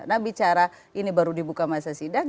nah bicara ini baru dibuka masa sidang